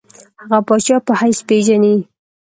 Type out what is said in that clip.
هغه پاچا په حیث پېژني.